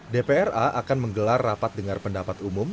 dpra akan menggelar rapat dengar pendapat umum